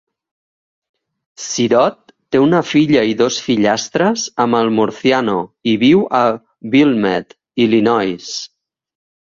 Sirott té una filla i dos fillastres amb el Murciano i viu a Wilmette, Illinois.